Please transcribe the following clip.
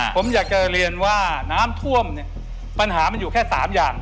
ผมอยากจะเรียนว่าน้ำท่วมเนี่ยปัญหามันอยู่แค่๓อย่าง